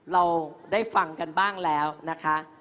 เราได้ฟังกันบ้างแล้วนะคะ